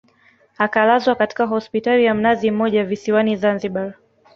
akalazwa katika hospitali ya mnazi mmoja visiwani Zanzibari